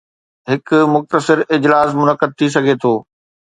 هڪ مختصر اجلاس منعقد ٿي سگهي ٿو